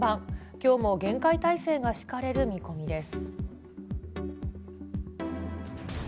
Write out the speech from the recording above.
きょうも厳戒態勢が敷かれる見込みです。